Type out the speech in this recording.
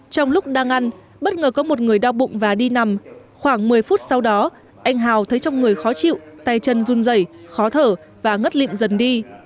trong lúc đang ăn bất ngờ có một người đau bụng và đi nằm khoảng một mươi phút sau đó anh hào thấy trong người khó chịu tay chân run dày khó thở và ngất lịn dần đi